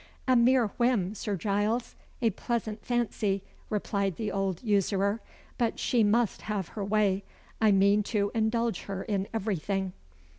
"A mere whim, Sir Giles a pleasant fancy," replied the old usurer. "But she must have her way. I mean to indulge her in everything."